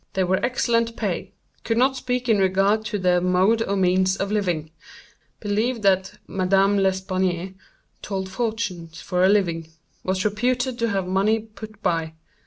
They were excellent pay. Could not speak in regard to their mode or means of living. Believed that Madame L. told fortunes for a living. Was reputed to have money put by.